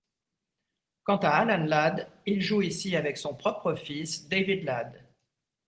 Quant à Alan Ladd, il joue ici avec son propre fils, David Ladd.